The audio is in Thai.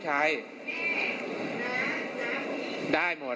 สายแม่ทั้งหมด